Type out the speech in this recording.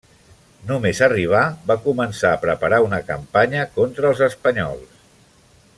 Només arribar va començar a preparar una campanya contra els espanyols.